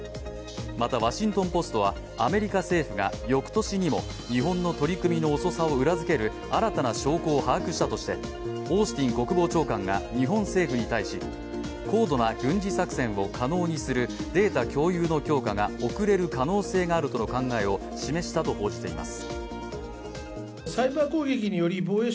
また「ワシントン・ポスト」はアメリカ政府が翌年にも日本の取り組みの遅さを裏付ける新たな証拠を把握したとしてオースティン国防長官が日本政府に対し、高度な軍事作戦を可能にするデータ共有の強化が遅れる可能性があるとの考えを示したと報じています。